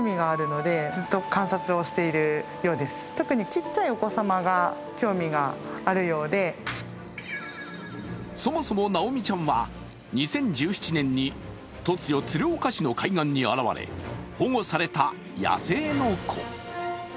飼育員さんに話を聞くとそもそも、なおみちゃんは２０１７年に突如鶴岡市の海岸に現れ、保護された野生の子。